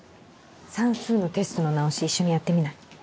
算数のテストの直し一緒にやってみない？